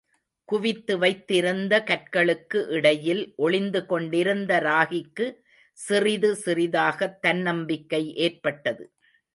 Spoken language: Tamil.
குவித்து வைத்திருந்த கற்களுக்கு இடையில் ஒளிந்து கொண்டிருந்த ராகிக்கு சிறிது சிறிதாகத் தன்னம்பிக்கை ஏற்பட்டது.